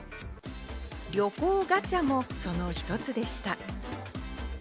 旅行ガチャもその一つでした。